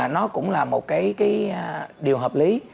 nó cũng là một cái điều hợp lý